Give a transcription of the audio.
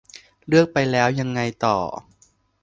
เลือกไปแล้ว ยังไงต่อ ?